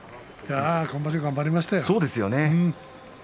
今場所は頑張りましたよ。